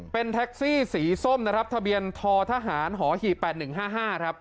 เป็นแท็กซี่สีส้มนะครับทะเบียนททหารหอหี่๘๑๕๕ครับ